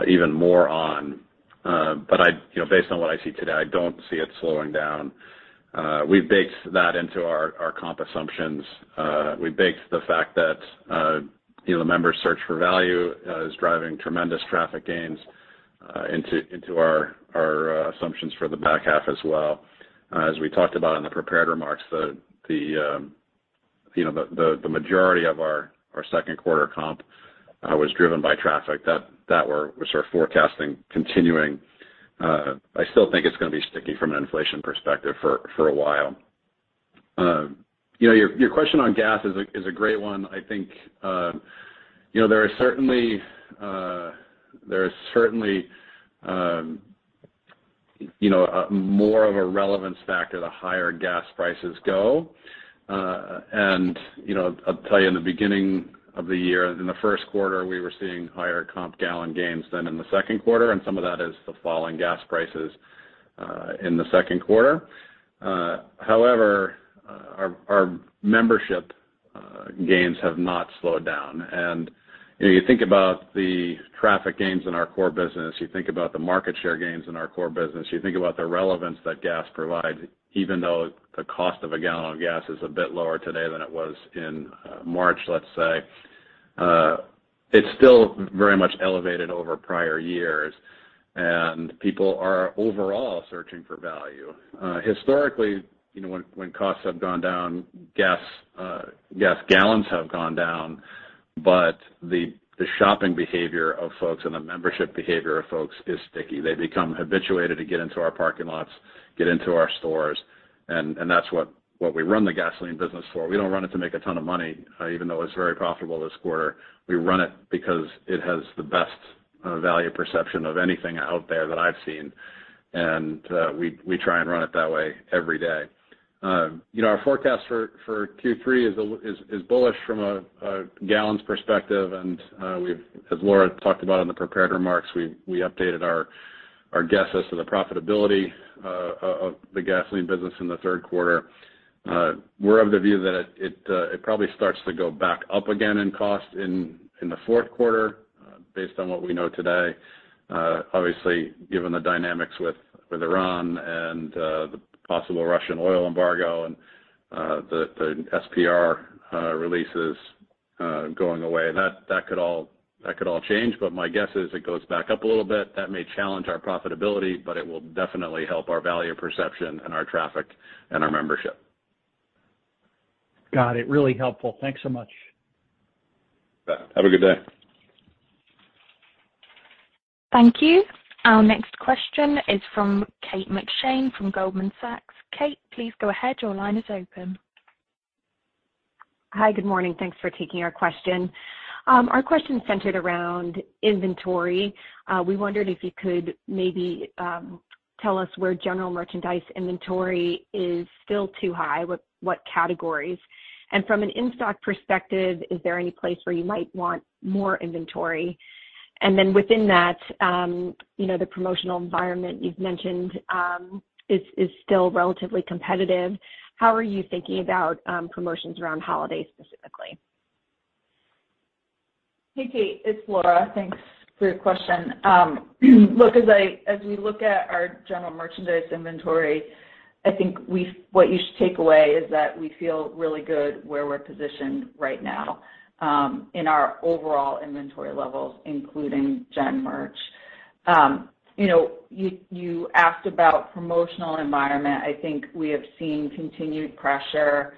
even more on. But you know, based on what I see today, I don't see it slowing down. We've baked that into our comp assumptions. We've baked the fact that you know, the members search for value is driving tremendous traffic gains into our assumptions for the back half as well. As we talked about in the prepared remarks, the majority of our second quarter comp was driven by traffic that we're sort of forecasting continuing. I still think it's gonna be sticky from an inflation perspective for a while. You know, your question on gas is a great one. I think you know, there is certainly more of a relevance factor the higher gas prices go. You know, I'll tell you in the beginning of the year, in the first quarter, we were seeing higher comp gallon gains than in the second quarter, and some of that is the falling gas prices in the second quarter. However, our membership gains have not slowed down. You know, you think about the traffic gains in our core business, you think about the market share gains in our core business, you think about the relevance that gas provides, even though the cost of a gallon of gas is a bit lower today than it was in March, let's say, it's still very much elevated over prior years. People are overall searching for value. Historically, you know, when costs have gone down, gas gallons have gone down, but the shopping behavior of folks and the membership behavior of folks is sticky. They become habituated to get into our parking lots, get into our stores, and that's what we run the gasoline business for. We don't run it to make a ton of money, even though it's very profitable this quarter. We run it because it has the best value perception of anything out there that I've seen. We try and run it that way every day. You know, our forecast for Q3 is bullish from a gallons perspective. As Laura talked about in the prepared remarks, we updated our guess as to the profitability of the gasoline business in the third quarter. We're of the view that it probably starts to go back up again in costs in the fourth quarter, based on what we know today. Obviously, given the dynamics with Iran and the possible Russian oil embargo and the SPR releases going away, that could all change. My guess is it goes back up a little bit. That may challenge our profitability, but it will definitely help our value perception and our traffic and our membership. Got it. Really helpful. Thanks so much. Have a good day. Thank you. Our next question is from Kate McShane from Goldman Sachs. Kate, please go ahead. Your line is open. Hi. Good morning. Thanks for taking our question. Our question is centered around inventory. We wondered if you could maybe tell us where general merchandise inventory is still too high, what categories? From an in-stock perspective, is there any place where you might want more inventory? Within that, you know, the promotional environment you've mentioned is still relatively competitive. How are you thinking about promotions around holidays specifically? Hey, Kate, it's Laura. Thanks for your question. Look, as we look at our general merchandise inventory, I think what you should take away is that we feel really good where we're positioned right now, in our overall inventory levels, including gen merch. You know, you asked about promotional environment. I think we have seen continued pressure.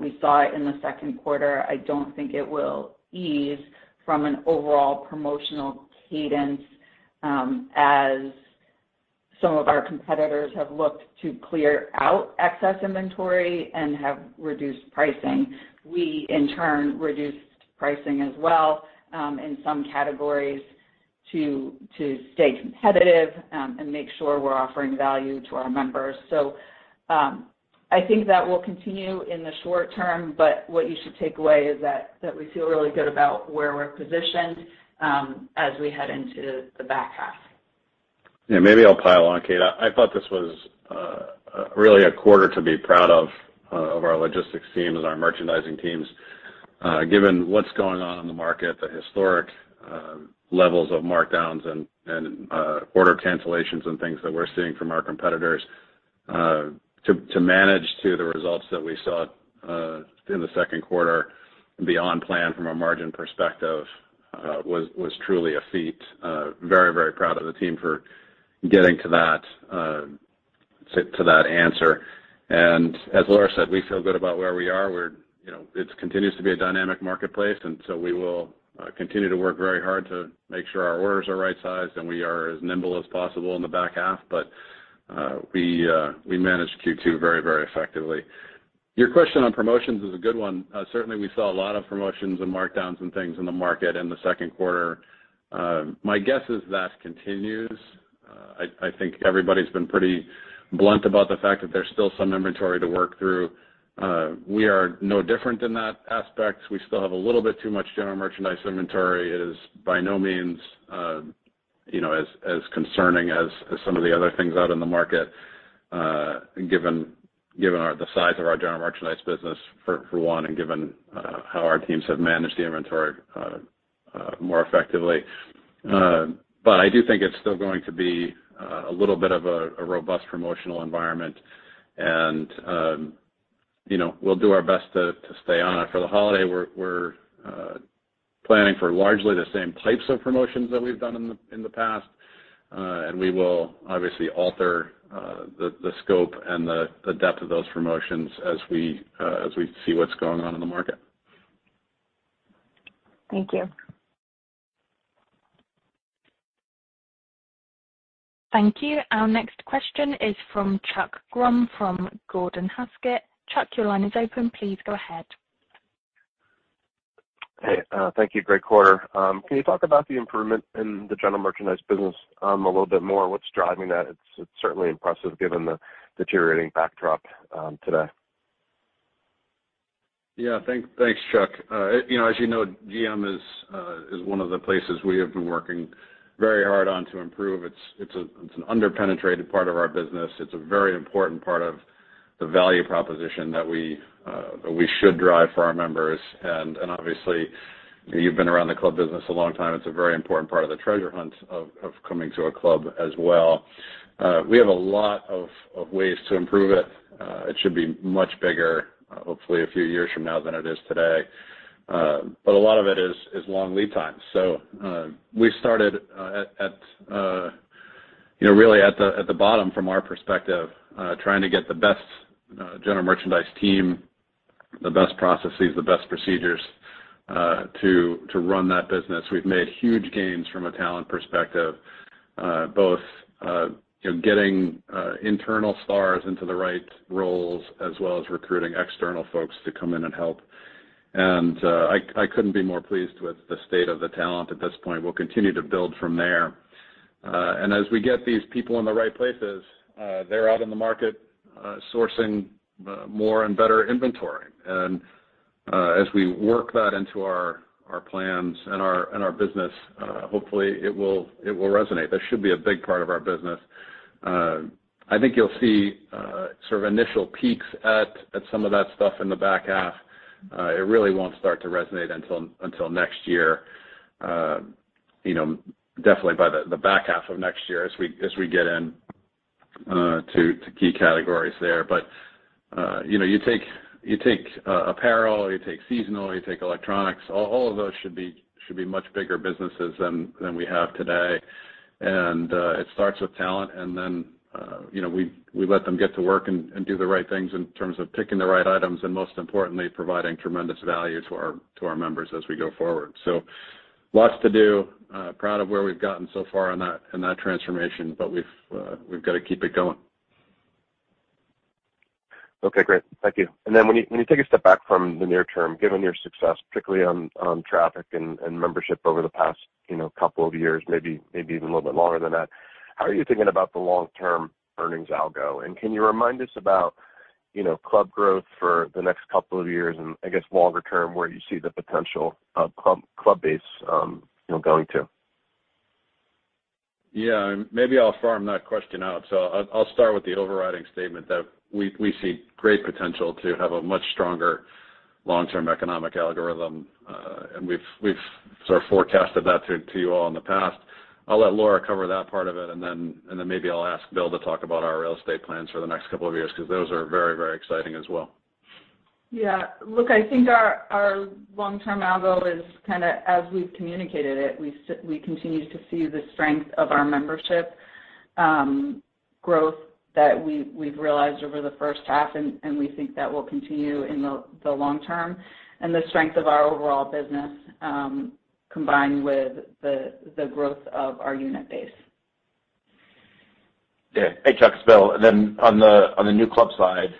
We saw it in the second quarter. I don't think it will ease from an overall promotional cadence, as some of our competitors have looked to clear out excess inventory and have reduced pricing. We, in turn, reduced pricing as well, in some categories to stay competitive, and make sure we're offering value to our members. I think that will continue in the short term, but what you should take away is that we feel really good about where we're positioned, as we head into the back half. Yeah, maybe I'll pile on, Kate. I thought this was really a quarter to be proud of our logistics teams and our merchandising teams. Given what's going on in the market, the historic levels of markdowns and order cancellations and things that we're seeing from our competitors, to manage to the results that we saw in the second quarter and be on plan from a margin perspective was truly a feat. Very proud of the team for getting to that answer. As Laura said, we feel good about where we are. We're. It continues to be a dynamic marketplace, and so we will continue to work very hard to make sure our orders are right-sized, and we are as nimble as possible in the back half. We managed Q2 very, very effectively. Your question on promotions is a good one. Certainly, we saw a lot of promotions and markdowns and things in the market in the second quarter. My guess is that continues. I think everybody's been pretty blunt about the fact that there's still some inventory to work through. We are no different in that aspect. We still have a little bit too much general merchandise inventory. It is by no means, you know, as concerning as some of the other things out in the market, given the size of our general merchandise business, for one, and given how our teams have managed the inventory more effectively. I do think it's still going to be a little bit of a robust promotional environment. You know, we'll do our best to stay on it. For the holiday, we're planning for largely the same types of promotions that we've done in the past. We will obviously alter the scope and the depth of those promotions as we see what's going on in the market. Thank you. Thank you. Our next question is from Chuck Grom from Gordon Haskett. Chuck, your line is open. Please go ahead. Hey, thank you. Great quarter. Can you talk about the improvement in the general merchandise business, a little bit more? What's driving that? It's certainly impressive given the deteriorating backdrop, today. Yeah. Thanks, Chuck. You know, as you know, GM is one of the places we have been working very hard on to improve. It's an under-penetrated part of our business. It's a very important part of the value proposition that we should drive for our members. Obviously, you've been around the club business a long time. It's a very important part of the treasure hunt of coming to a club as well. We have a lot of ways to improve it. It should be much bigger, hopefully a few years from now than it is today. A lot of it is long lead times. We started, you know, really at the bottom from our perspective, trying to get the best general merchandise team, the best processes, the best procedures, to run that business. We've made huge gains from a talent perspective, both, you know, getting internal stars into the right roles as well as recruiting external folks to come in and help. I couldn't be more pleased with the state of the talent at this point. We'll continue to build from there. As we get these people in the right places, they're out in the market, sourcing more and better inventory. As we work that into our plans and our business, hopefully it will resonate. That should be a big part of our business. I think you'll see sort of initial peaks at some of that stuff in the back half. It really won't start to resonate until next year, you know, definitely by the back half of next year as we get in to key categories there. You know, you take apparel, you take seasonal, you take electronics, all of those should be much bigger businesses than we have today. It starts with talent, and then you know we let them get to work and do the right things in terms of picking the right items and most importantly providing tremendous value to our members as we go forward. Lots to do. Proud of where we've gotten so far on that, in that transformation, but we've got to keep it going. Okay, great. Thank you. When you take a step back from the near term, given your success, particularly on traffic and membership over the past, you know, couple of years, maybe even a little bit longer than that, how are you thinking about the long-term earnings algo? Can you remind us about. You know, club growth for the next couple of years and I guess longer term where you see the potential of club base, you know, going to. Yeah, maybe I'll farm that question out. I'll start with the overriding statement that we see great potential to have a much stronger long-term economic algorithm. We've sort of forecasted that to you all in the past. I'll let Laura cover that part of it, and then maybe I'll ask Bill to talk about our real estate plans for the next couple of years because those are very, very exciting as well. Yeah. Look, I think our long-term algo is kind of as we've communicated it. We continue to see the strength of our membership growth that we've realized over the first half, and we think that will continue in the long term. The strength of our overall business, combined with the growth of our unit base. Yeah. Hey, Chuck, it's Bill. On the new club side,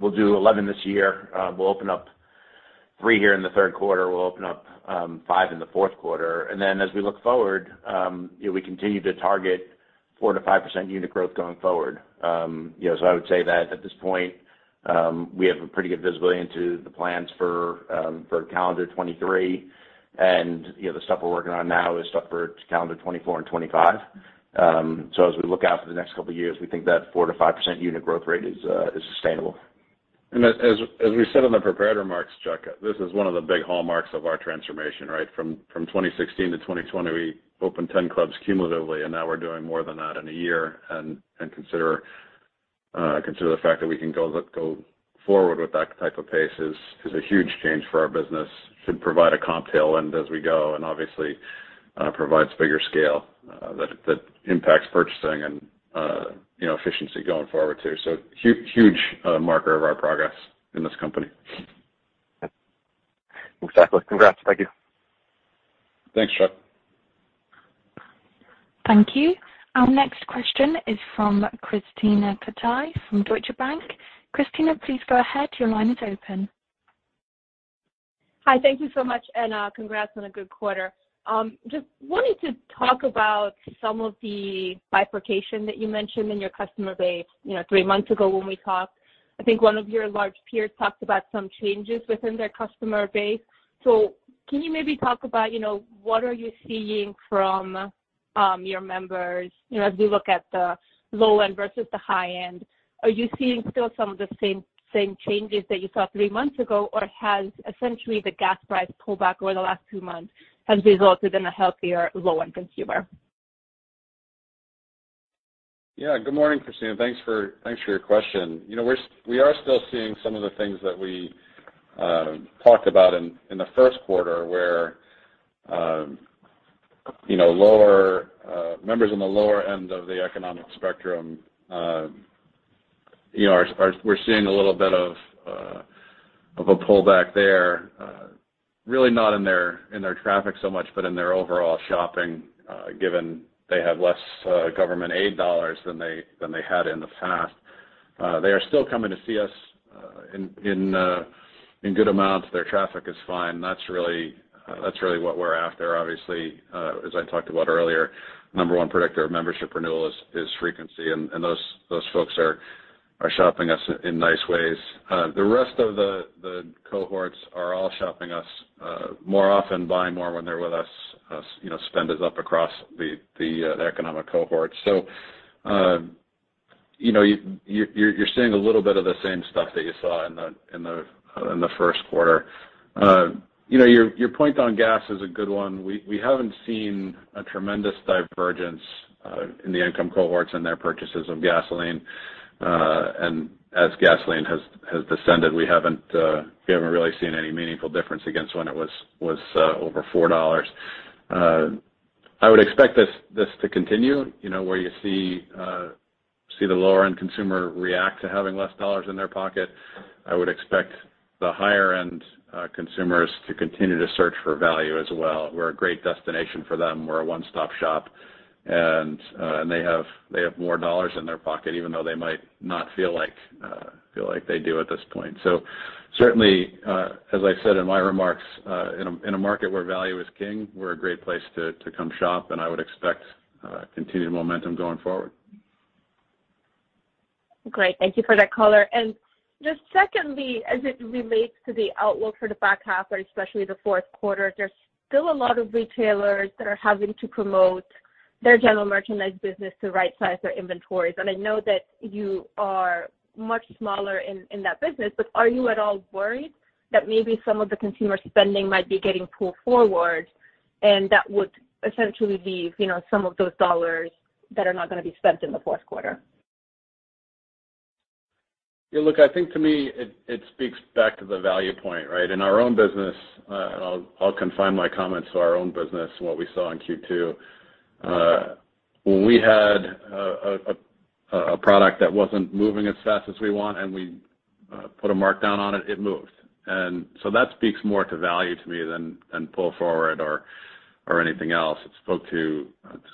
we'll do 11 this year. We'll open up three here in the third quarter. We'll open up five in the fourth quarter. As we look forward, you know, we continue to target 4%-5% unit growth going forward. You know, I would say that at this point, we have a pretty good visibility into the plans for calendar 2023. You know, the stuff we're working on now is stuff for calendar 2024 and 2025. As we look out for the next couple of years, we think that 4%-5% unit growth rate is sustainable. As we said in the prepared remarks, Chuck, this is one of the big hallmarks of our transformation, right? From 2016 to 2020, we opened 10 clubs cumulatively, and now we're doing more than that in a year. Consider the fact that we can go forward with that type of pace is a huge change for our business. Should provide a comp tailwind as we go, and obviously, provides bigger scale, that impacts purchasing and, you know, efficiency going forward too. Huge marker of our progress in this company. Exactly. Congrats. Thank you. Thanks, Chuck. Thank you. Our next question is from Krisztina Katai from Deutsche Bank. Krisztina, please go ahead. Your line is open. Hi. Thank you so much, and congrats on a good quarter. Just wanted to talk about some of the bifurcation that you mentioned in your customer base. You know, three months ago when we talked, I think one of your large peers talked about some changes within their customer base. Can you maybe talk about, you know, what are you seeing from your members, you know, as you look at the low end versus the high end? Are you seeing still some of the same changes that you saw three months ago, or has essentially the gas price pullback over the last two months resulted in a healthier low-end consumer? Yeah. Good morning, Krisztina. Thanks for your question. You know, we are still seeing some of the things that we talked about in the first quarter where, you know, lower members in the lower end of the economic spectrum, you know, are. We're seeing a little bit of a pullback there, really not in their traffic so much, but in their overall shopping, given they have less government aid dollars than they had in the past. They are still coming to see us in good amounts. Their traffic is fine. That's really what we're after. Obviously, as I talked about earlier, number one predictor of membership renewal is frequency, and those folks are shopping us in nice ways. The rest of the cohorts are all shopping us more often, buying more when they're with us. You know, spend is up across the economic cohorts. You know, you're seeing a little bit of the same stuff that you saw in the first quarter. You know, your point on gas is a good one. We haven't seen a tremendous divergence in the income cohorts and their purchases of gasoline. As gasoline has descended, we haven't really seen any meaningful difference against when it was over $4. I would expect this to continue, you know, where you see the lower-end consumer react to having less dollars in their pocket. I would expect the higher-end consumers to continue to search for value as well. We're a great destination for them. We're a one-stop shop, and they have more dollars in their pocket, even though they might not feel like they do at this point. Certainly, as I said in my remarks, in a market where value is king, we're a great place to come shop, and I would expect continued momentum going forward. Great. Thank you for that color. Just secondly, as it relates to the outlook for the back half or especially the fourth quarter, there's still a lot of retailers that are having to promote their general merchandise business to right-size their inventories. I know that you are much smaller in that business, but are you at all worried that maybe some of the consumer spending might be getting pulled forward and that would essentially leave, you know, some of those dollars that are not gonna be spent in the fourth quarter? Yeah, look, I think to me it speaks back to the value point, right? In our own business, and I'll confine my comments to our own business and what we saw in Q2. When we had a product that wasn't moving as fast as we want and we put a markdown on it moved. That speaks more to value to me than pull forward or anything else. It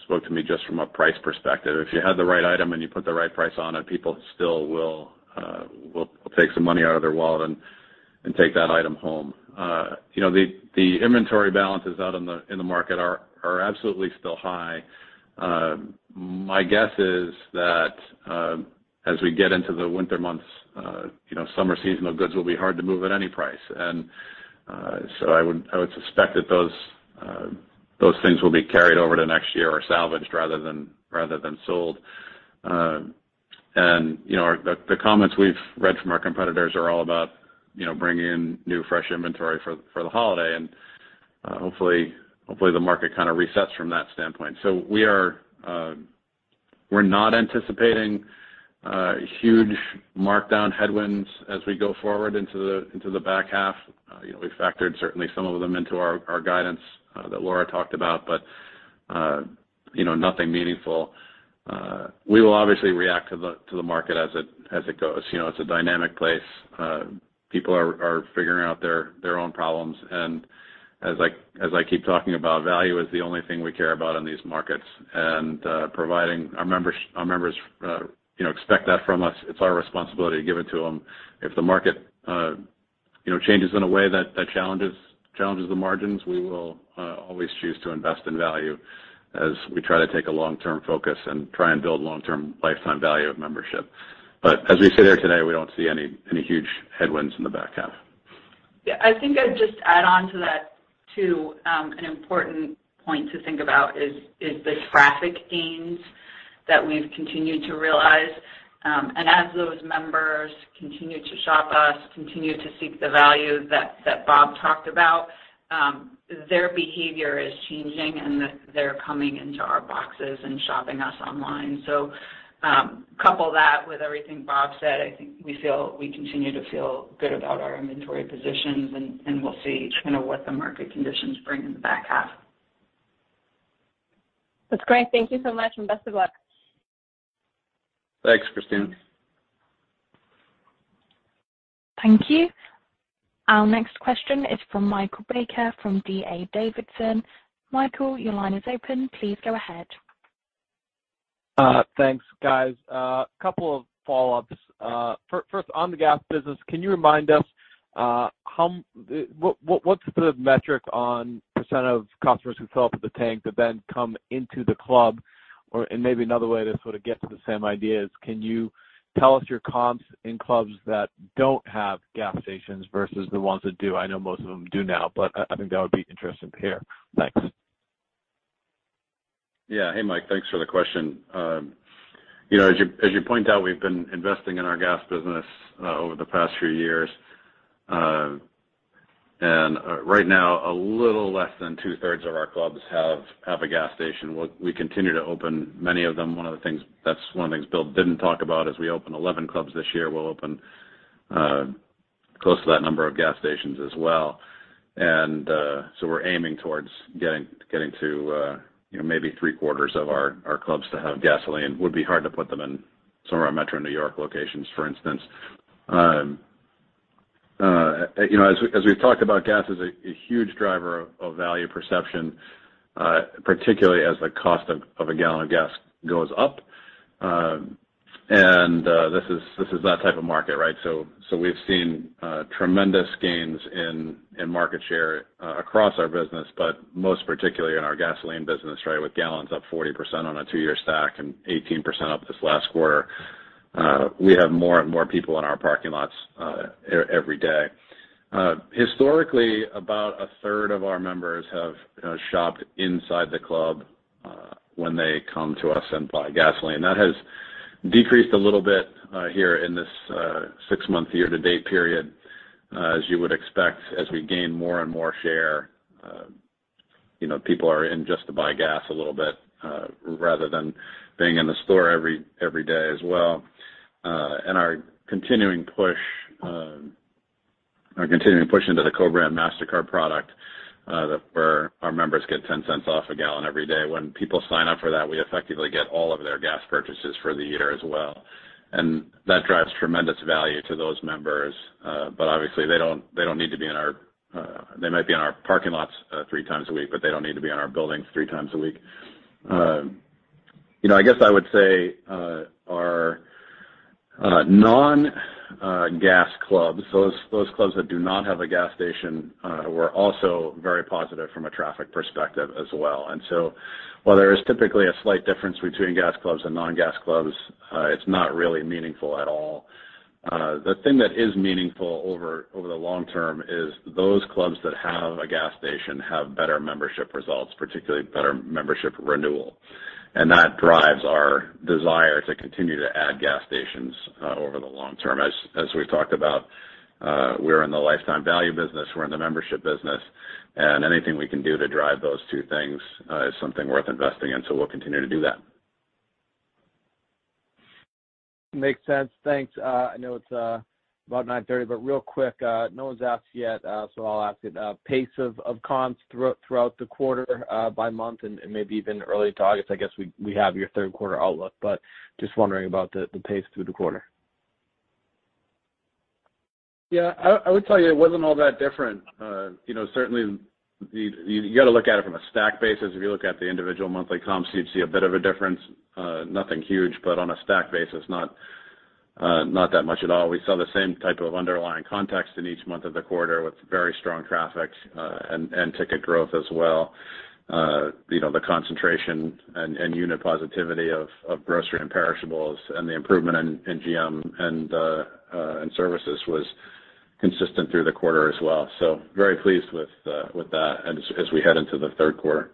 spoke to me just from a price perspective. If you have the right item and you put the right price on it, people still will take some money out of their wallet and take that item home. You know, the inventory balances out in the market are absolutely still high. My guess is that as we get into the winter months, you know, summer seasonal goods will be hard to move at any price. I would suspect that those things will be carried over to next year or salvaged rather than sold. You know, the comments we've read from our competitors are all about, you know, bringing in new fresh inventory for the holiday. Hopefully the market kinda resets from that standpoint. We're not anticipating huge markdown headwinds as we go forward into the back half. You know, we factored certainly some of them into our guidance that Laura talked about, but you know, nothing meaningful. We will obviously react to the market as it goes. You know, it's a dynamic place. People are figuring out their own problems. As I keep talking about, value is the only thing we care about in these markets. Providing our members expect that from us. It's our responsibility to give it to them. If the market changes in a way that challenges the margins, we will always choose to invest in value as we try to take a long-term focus and try and build long-term lifetime value of membership. As we sit here today, we don't see any huge headwinds in the back half. Yeah. I think I'd just add on to that, too. An important point to think about is the traffic gains that we've continued to realize. As those members continue to shop us, continue to seek the value that Bob talked about, their behavior is changing, and they're coming into our boxes and shopping us online. Couple that with everything Bob said, I think we continue to feel good about our inventory positions, and we'll see kind of what the market conditions bring in the back half. That's great. Thank you so much, and best of luck. Thanks, Krisztina. Thank you. Our next question is from Michael Baker from D.A. Davidson. Michael, your line is open. Please go ahead. Thanks, guys. A couple of follow-ups. First on the gas business, can you remind us what what's the metric on percent of customers who fill up at the tank that then come into the club? Maybe another way to sort of get to the same idea is can you tell us your comps in clubs that don't have gas stations versus the ones that do? I know most of them do now, but I think that would be interesting to hear. Thanks. Yeah. Hey, Mike, thanks for the question. You know, as you point out, we've been investing in our gas business over the past few years. Right now, a little less than two-thirds of our clubs have a gas station. We continue to open many of them. One of the things Bill didn't talk about is we opened 11 clubs this year. We'll open close to that number of gas stations as well. We're aiming towards getting to, you know, maybe three-quarters of our clubs to have gasoline. Would be hard to put them in some of our Metro New York locations, for instance. You know, as we've talked about, gas is a huge driver of value perception, particularly as the cost of a gallon of gas goes up. This is that type of market, right? We've seen tremendous gains in market share across our business, but most particularly in our gasoline business, right? With gallons up 40% on a two year stack and 18% up this last quarter. We have more and more people in our parking lots every day. Historically, about a third of our members have, you know, shopped inside the club when they come to us and buy gasoline. That has decreased a little bit here in this six-month year-to-date period. As you would expect, as we gain more and more share, you know, people are in just to buy gas a little bit, rather than being in the store every day as well. Our continuing push into the co-branded Mastercard product, where our members get $0.10 off a gallon every day. When people sign up for that, we effectively get all of their gas purchases for the year as well. That drives tremendous value to those members. Obviously, they might be in our parking lots three times a week, but they don't need to be in our buildings three times a week. You know, I guess I would say, our non-gas clubs, those clubs that do not have a gas station, were also very positive from a traffic perspective as well. While there is typically a slight difference between gas clubs and non-gas clubs, it's not really meaningful at all. The thing that is meaningful over the long term is those clubs that have a gas station have better membership results, particularly better membership renewal. That drives our desire to continue to add gas stations over the long term. As we've talked about, we're in the lifetime value business, we're in the membership business, and anything we can do to drive those two things is something worth investing in. We'll continue to do that. Makes sense. Thanks. I know it's about 9:30 A.M., but real quick, no one's asked yet, so I'll ask it. Pace of comps throughout the quarter, by month and maybe even early to August. I guess we have your third quarter outlook, but just wondering about the pace through the quarter. Yeah. I would tell you it wasn't all that different. You know, certainly you got to look at it from a stack basis. If you look at the individual monthly comps, you'd see a bit of a difference, nothing huge, but on a stack basis, not that much at all. We saw the same type of underlying context in each month of the quarter with very strong traffic and ticket growth as well. You know, the concentration and unit positivity of grocery and perishables and the improvement in GM and services was consistent through the quarter as well. Very pleased with that as we head into the third quarter.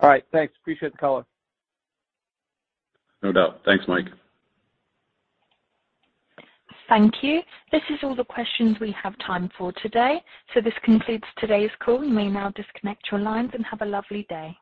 All right. Thanks. Appreciate the color. No doubt. Thanks, Mike. Thank you. This is all the questions we have time for today. This concludes today's call. You may now disconnect your lines and have a lovely day.